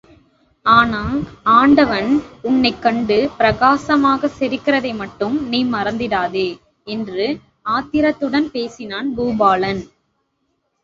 ஆனா, ஆண்டவன் உன்னைக் கண்டு பரிகாசமாகச் சிரிக்கிறதை மட்டும் நீ மறந்திடாதே...? என்று ஆத்திரத்துடன் பேசினான் பூபாலன்.